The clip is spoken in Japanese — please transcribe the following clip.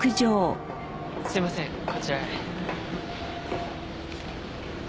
すいませんこちらへ。